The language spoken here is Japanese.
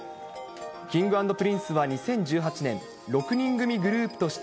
Ｋｉｎｇ＆Ｐｒｉｎｃｅは２０１８年、６人組グループとし